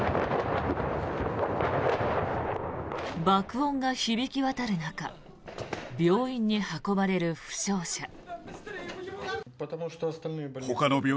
爆音が響き渡る中病院に運ばれる負傷者。